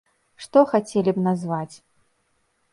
Што хацелі б назваць?